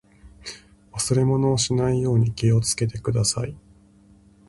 忘れ物をしないように気をつけてください。